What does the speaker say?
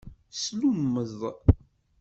Slummeḍ.